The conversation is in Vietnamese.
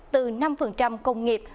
từ năm công nghiệp